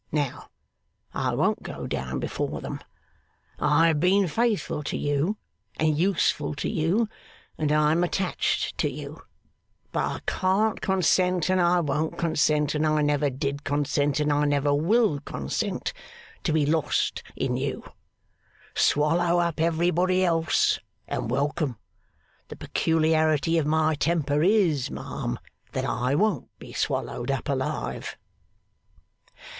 Now, I won't go down before them. I have been faithful to you, and useful to you, and I am attached to you. But I can't consent, and I won't consent, and I never did consent, and I never will consent to be lost in you. Swallow up everybody else, and welcome. The peculiarity of my temper is, ma'am, that I won't be swallowed up alive.